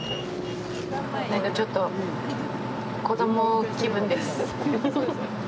なんかちょっと子供気分です。